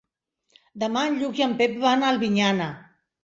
Demà en Lluc i en Pep van a Albinyana.